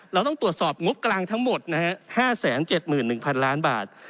เราต้องตรวจสอบงบกลางทั้งหมดนะฮะ๕๗๑๐๐๐ล้านบาท